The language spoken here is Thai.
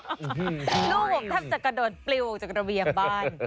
ลูกผมแทบจะกระโดดปลิวจากระเบียงบ้าน